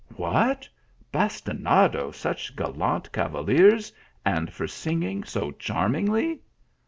" What, bastinado such gallant cavaliers, and for singing so charmingly